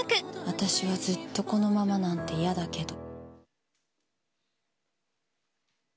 私はずっとこのままなんて嫌だけど。